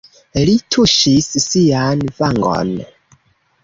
Li tuŝis sian vangon.